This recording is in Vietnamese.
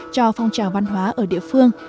cho phong trào văn hóa ở địa phương